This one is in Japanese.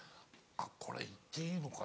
これ言っていいのかな？